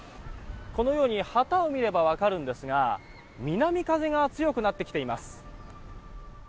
このように旗を見れば分かるんですが南風が強くなってきています。